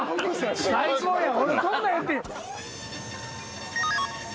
最高や。